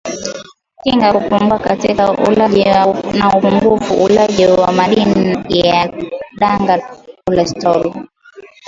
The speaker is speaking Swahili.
Kinga kupungua kutokana na upungufu wa ulaji wa madini ya danga kolostramu